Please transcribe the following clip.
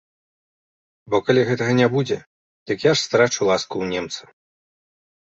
Бо калі гэтага не будзе, дык я ж страчу ласку ў немца.